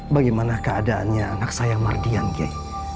bagaimana keadaannya anak sayang merdian gey